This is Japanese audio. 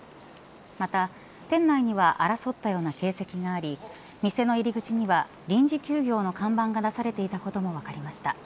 また、店内には争ったような形跡があり店の入り口には臨時休業の看板が出されていたことも分かりました。